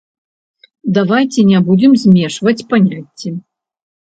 Давайце не будзем змешваць паняцці.